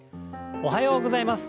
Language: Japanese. おはようございます。